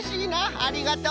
ありがとう！